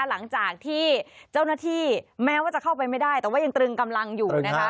หลังจากที่เจ้าหน้าที่แม้ว่าจะเข้าไปไม่ได้แต่ว่ายังตรึงกำลังอยู่นะคะ